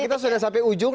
kita sudah sampai ujung